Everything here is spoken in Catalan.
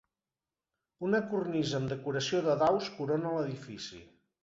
Una cornisa amb decoració de daus corona l'edifici.